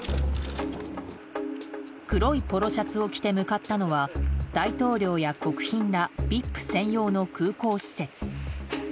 黒いポロシャツを着て向かったのは大統領や国賓らＶＩＰ専用の空港施設。